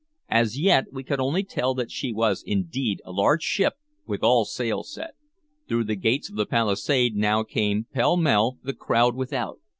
As yet we could only tell that she was indeed a large ship with all sail set. Through the gates of the palisade now came, pellmell, the crowd without.